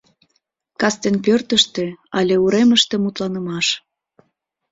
Кастен пӧртыштӧ але уремыште мутланымаш.